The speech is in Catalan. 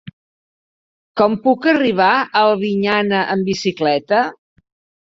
Com puc arribar a Albinyana amb bicicleta?